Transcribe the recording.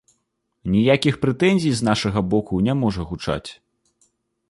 Ніякіх прэтэнзій з нашага боку не можа гучаць.